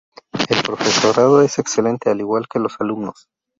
El profesorado es excelente al igual que los alumnos.